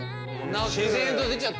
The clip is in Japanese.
自然と出ちゃったんだ。